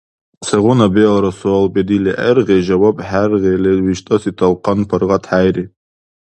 Сегъуна-биалра суал бедили гӀергъи, жаваб хӀергъили виштӀаси талхъан паргъат хӀейри.